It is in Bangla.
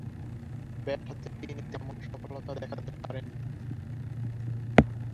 ব্যাট হাতে তিনি তেমন সফলতা দেখাতে পারেননি।